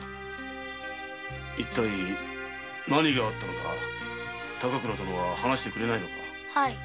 一体何があったのか高倉殿は話してくれないのか？